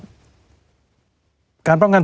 สวัสดีครับ